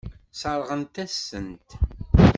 Sseṛɣent-as-tent.